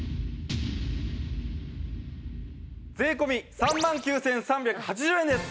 税込３万９３８０円です！